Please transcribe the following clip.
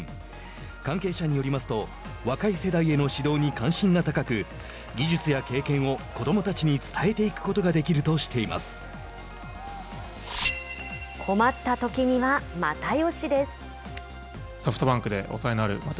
関係者によりますと若い世代への指導に関心が高く技術や経験を子どもたちに伝えていくことが困ったときには又吉です。